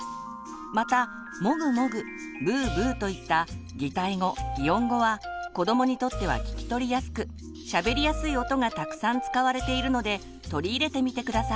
また「モグモグ」「ブーブー」といった擬態語擬音語は子どもにとっては聞き取りやすくしゃべりやすい音がたくさん使われているので取り入れてみて下さい。